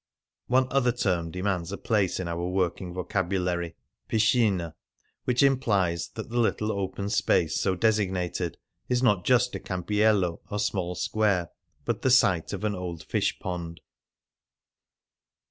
One other term demands a place in our working vocabulary — piscina — which implies that the little open space so designated is not just a campiello, or small square, but the site of an old fish pond.